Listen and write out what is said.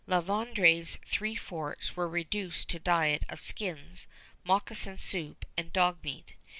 La Vérendrye's three forts were reduced to diet of skins, moccasin soup, and dog meat.